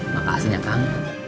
makasih ya kang